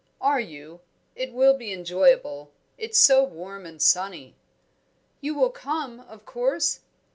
"Are you? It will be enjoyable it's so warm and sunny." "You will come, of course?"